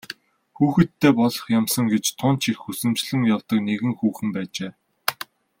Хүүхэдтэй болох юмсан гэж тун ч их хүсэмжлэн явдаг нэгэн хүүхэн байжээ.